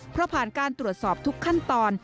เพราะผ่านการตรวจสอบทุกขั้นตอน